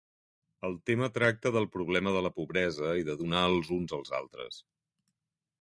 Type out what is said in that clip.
El tema tracta del problema de la pobresa i de donar els uns als altres.